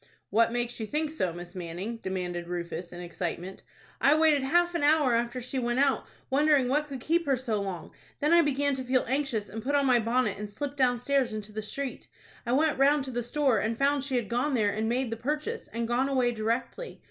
"What makes you think so, Miss Manning?" demanded Rufus, in excitement. "I waited half an hour after she went out, wondering what could keep her so long. Then I began to feel anxious, and put on my bonnet, and slipped downstairs into the street. I went round to the store, and found she had gone there and made the purchase, and gone away directly.